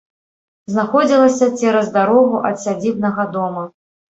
Знаходзілася цераз дарогу ад сядзібнага дома.